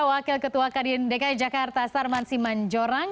wakil ketua kadin dki jakarta sarman simanjorang